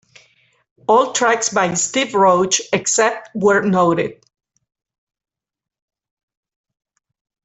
All tracks by Steve Roach except where noted.